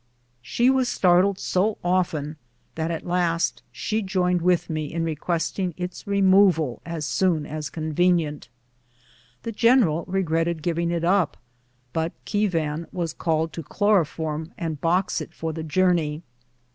She was startled so often that at last she joined with me in requesting its removal as soon as convenient. The general regretted giving it up? but Keevan was called to chloroform and box it for the journey.